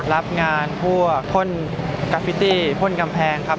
รับงานพวกพ่นกราฟิตี้พ่นกำแพงครับ